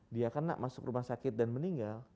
dia kena masuk rumah sakit dan meninggal